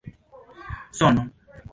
sono